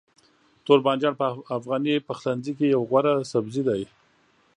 توربانجان په افغاني پخلنځي کې یو غوره سبزی دی.